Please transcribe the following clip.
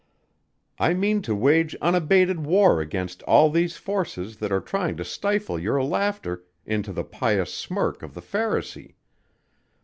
I mean to wage unabated war against all these forces that are trying to stifle your laughter into the pious smirk of the pharisee.